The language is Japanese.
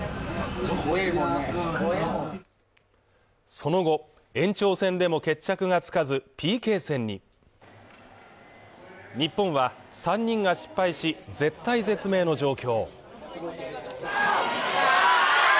その後延長戦でも決着がつかずＰＫ戦に日本は３人が失敗し絶体絶命の状況